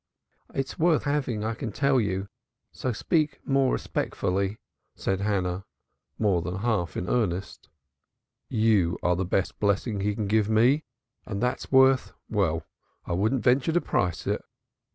"It's worth having, I can tell you, so speak more respectfully," said Hannah, more than half in earnest. "You are the best blessing he can give me and that's worth well, I wouldn't venture to price it."